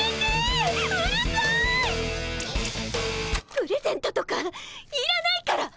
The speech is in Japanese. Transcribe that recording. プレゼントとかいらないから！